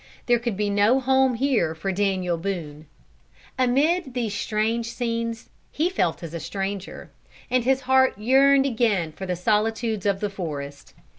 There could be no home here for Daniel Boone. Amid these strange scenes he felt as a stranger, and his heart yearned again for the solitudes of the forest.